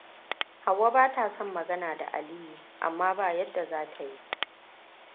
Hauwa ba ta son magana da Aliyu, amma ba yadda zata yi.